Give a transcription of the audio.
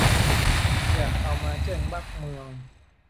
อยากเอามาแจ้งบั๊กเมือง